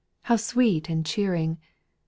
How sweet and cheering !